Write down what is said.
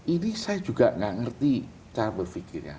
ini saya juga tidak mengerti cara berfikirnya